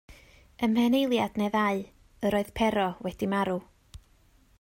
Ym mhen eiliad neu ddau, yr oedd Pero wedi marw.